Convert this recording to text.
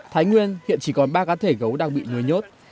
thái nguyên hiện chỉ còn ba cá thể gấu đang bị nuôi nhốt